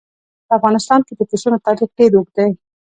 په افغانستان کې د پسونو تاریخ ډېر اوږد دی.